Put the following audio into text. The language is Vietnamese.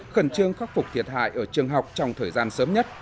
khẩn trương khắc phục thiệt hại ở trường học trong thời gian sớm nhất